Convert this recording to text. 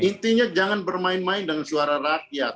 intinya jangan bermain main dengan suara rakyat